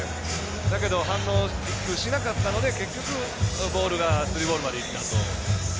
だけど、反応を１球しなかったので、結局スリーボールまでいったと。